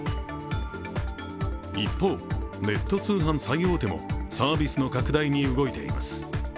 一方、ネット通販最大手もサービスの拡大に動いています。